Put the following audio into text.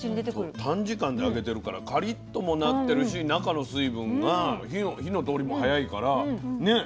短時間で揚げてるからカリッともなってるし中の水分が火の通りも早いからね